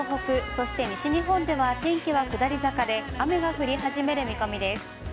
そして西日本では、天気は下り坂で、雨が降り始める見込みです。